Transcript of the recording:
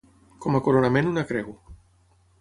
Com a coronament una creu.